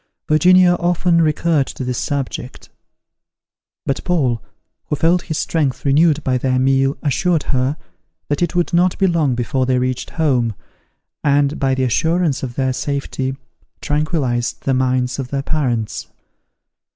Virginia often recurred to this subject; but Paul, who felt his strength renewed by their meal, assured her, that it would not be long before they reached home, and, by the assurance of their safety, tranquillized the minds of their parents.